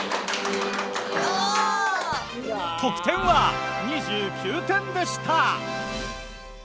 得点は２９点でした。